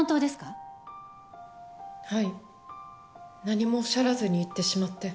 何もおっしゃらずに行ってしまって。